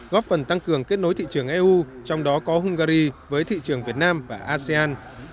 góp phần tăng cường kết nối thị trường eu trong đó có hungary với thị trường việt nam và asean